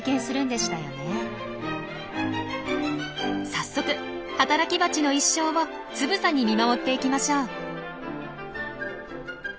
早速働きバチの一生をつぶさに見守っていきましょう。